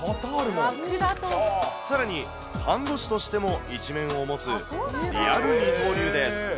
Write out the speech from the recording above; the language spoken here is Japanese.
さらに看護師としても一面を持つ、リアル二刀流です。